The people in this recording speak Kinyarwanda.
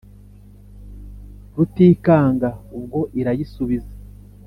Rutikanga ubwo irayisubiza